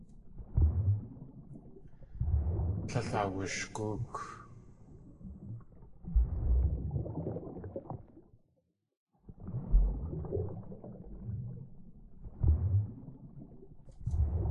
Tlél awushgóok.